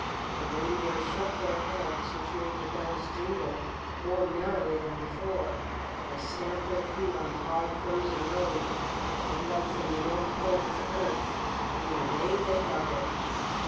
The reindeer shook their heads, which made the bells jingle more merrily than before, they stamped their feet on the hard, frozen road that led from the North Pole to Earth, and then away they darted.